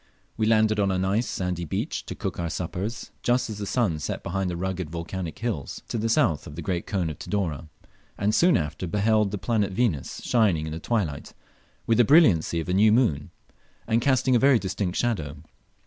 We landed on a nice sandy beach to cook our suppers, just as the sun set behind the rugged volcanic hills, to the south of the great cone of Tidore, and soon after beheld the planet Venus shining in the twilight with the brilliancy of a new moon, and casting a very distinct shadow.